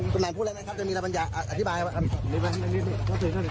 กำนันต์พูดอะไรนะครับจะมีอะไรบรรยาอธิบายอะไร